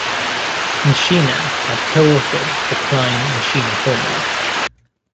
Nishina had co-authored the Klein-Nishina formula.